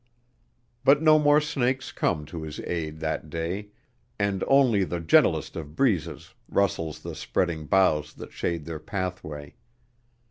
But no more snakes come to his aid that day and only the gentlest of breezes rustles the spreading boughs that shade their pathway.